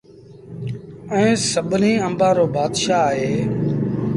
ائيٚݩ سڀنيٚ آݩبآݩ رو بآتشآه اهي